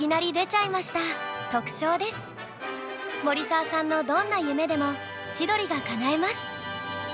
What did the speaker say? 森澤さんのどんな夢でも千鳥が叶えます。